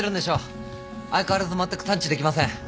相変わらずまったく探知できません。